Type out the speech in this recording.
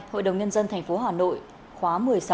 hội đồng nhân dân tp hà nội khóa một mươi sáu